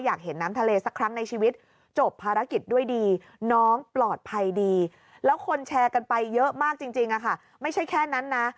อยากเห็นน้ำทะเลสักครั้งในชีวิตจบภารกิจด้วยดีน้องปลอดภัยดีแล้วคนแชร์กันไปเยอะมากจริงค่ะไม่ใช่แค่นั้นนะ